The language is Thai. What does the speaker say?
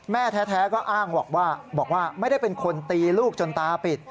แม่แท้ก็อ้างบอกว่าบอกว่าไม่ได้เป็นคนตีลูกจนตาปิด